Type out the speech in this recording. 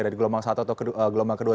dari gelombang satu atau gelombang kedua